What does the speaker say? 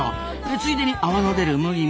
ついでに泡の出る麦も。